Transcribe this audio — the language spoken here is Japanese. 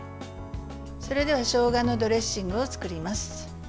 それでは、しょうがのドレッシングを作ります。